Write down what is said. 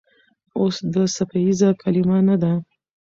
اوس دوه څپیزه کلمه نه ده.